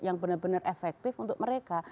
yang benar benar efektif untuk mereka